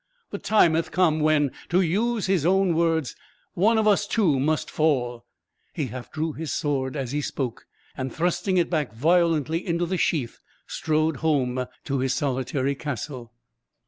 the time hath come when, to use his own words, 'One of us two must fall!" He half drew his sword as he spoke, and thrusting it back violently into the sheath, strode home to his solitary castle.